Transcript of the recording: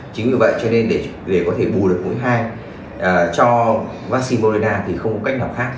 chính vì vậy cho nên để có thể bù được mũi hai cho vaccine moderna thì không có cách nào khác